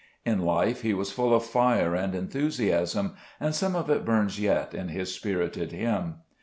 In life he was full of fire and enthusiasm, and some of it burns yet in his spirited hymn.